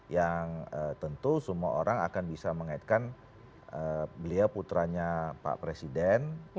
yang tentu semua orang akan bisa mengaitkan beliau putranya pak presiden